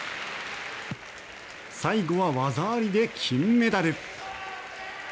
最後は、技ありで金メダル。